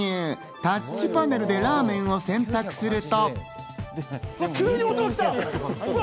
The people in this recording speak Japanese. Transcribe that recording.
タッチパネルでラーメンを選択すると。